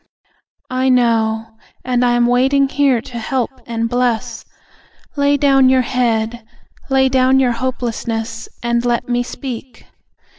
I know. And I am waiting here to help and bless. Lay down your head. Lay down your hope lessness And let Me speak.